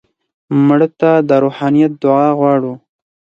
مړه ته د روحانیت دعا غواړو